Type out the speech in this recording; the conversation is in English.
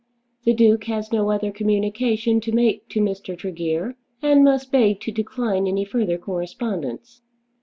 The Duke has no other communication to make to Mr. Tregear, and must beg to decline any further correspondence."